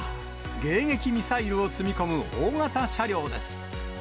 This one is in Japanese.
迎撃ミサイルを積み込む大型車両です。